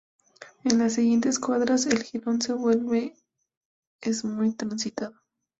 En las siguientes cuadras, el jirón se vuelve es muy transitada.